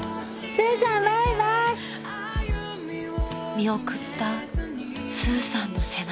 ［見送ったスーさんの背中］